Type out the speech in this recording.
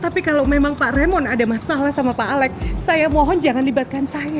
tapi kalau memang pak remon ada masalah sama pak alex saya mohon jangan libatkan saya